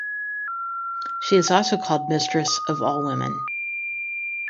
She is also called "mistress of all women".